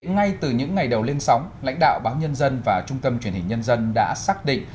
ngay từ những ngày đầu lên sóng lãnh đạo báo nhân dân và trung tâm truyền hình nhân dân đã xác định